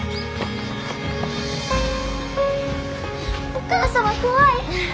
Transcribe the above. お母様怖い。